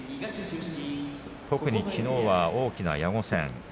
特にきのうは大きな矢後戦。